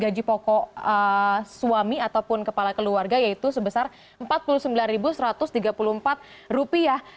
gaji pokok suami ataupun kepala keluarga yaitu sebesar empat puluh sembilan satu ratus tiga puluh empat rupiah